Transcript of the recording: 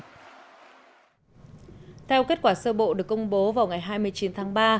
theo kết quả sơ bộ được công bố vào ngày hai mươi chín tháng ba